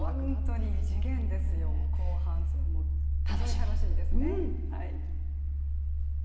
本当に異次元ですよ、後半戦もすごい楽しみですね。